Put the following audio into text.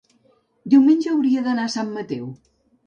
Diumenge hauria d'anar a Sant Mateu.